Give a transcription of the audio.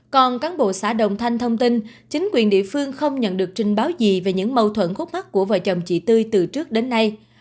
còn cán bộ xã đồng thanh thông tin chính quyền địa phương không nhận được trình báo gì về những mâu thuẫn khúc mắt của vợ chồng chị tư từ trước đến nay